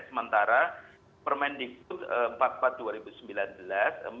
sementara permendikbud empat puluh empat dua ribu sembilan belas minimal lima puluh persen